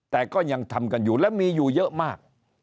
แต่ก็ยังทำกันอยู่และมีอยู่เยอะมาก